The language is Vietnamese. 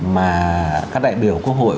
mà các đại biểu quốc hội